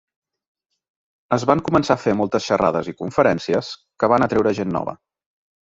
Es van començar a fer moltes xerrades i conferències que van atraure gent nova.